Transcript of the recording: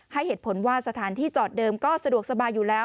ให้เหตุผลว่าสถานที่จอดเดิมก็สะดวกสบายอยู่แล้ว